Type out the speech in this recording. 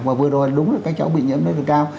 và vừa đôi đúng là các cháu bị nhiễm rất là cao